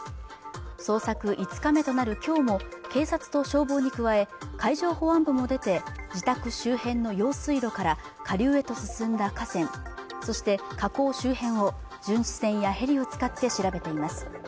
捜索５日目となるきょうも警察と消防に加え海上保安部も出て自宅周辺の用水路から下流へと進んだ河川そして河口周辺を巡視船やヘリを使って調べています